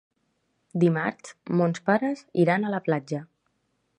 Dimarts mons pares iran a la platja.